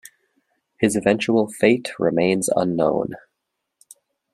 His eventual fate remains unknown.